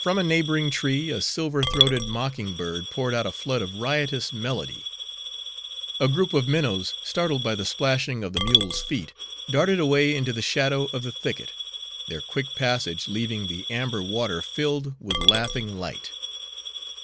From a neighboring tree a silver throated mocking bird poured out a flood of riotous melody. A group of minnows; startled by the splashing of the mule's feet, darted away into the shadow of the thicket, their quick passage leaving the amber water filled with laughing light.